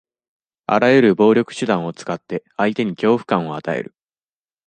あらゆる暴力手段を使って、相手に恐怖感を与える。